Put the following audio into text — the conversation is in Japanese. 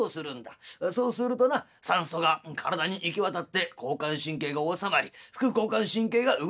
そうするとな酸素が体に行き渡って交感神経が収まり副交感神経が動きだす。